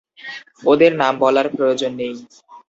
ওদের নাম বলার প্রয়োজন নেই।